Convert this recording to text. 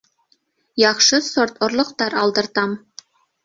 Яҡшы сорт орлоҡтар алдыртам.